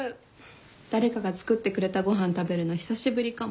誰かが作ってくれたご飯食べるの久しぶりかも。